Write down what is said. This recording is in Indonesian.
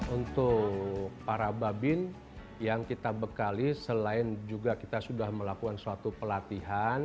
untuk para babin yang kita bekali selain juga kita sudah melakukan suatu pelatihan